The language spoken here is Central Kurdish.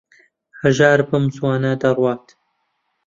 هەژار بەم زووانە دەڕوات.